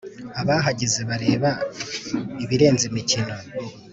abahagaze-bareba ibirenze imikino.